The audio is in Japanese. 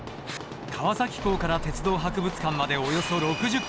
川崎港から鉄道博物館までおよそ６０ｋｍ。